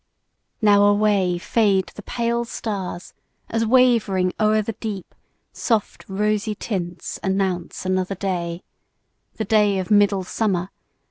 Now away Fade the pale stars, as wavering o'er the deep Soft rosy tints announce another day, The day of Middle Summer!